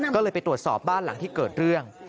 ก็เลยไปตรวจสอบบ้านหลังที่เกิดเรื่อง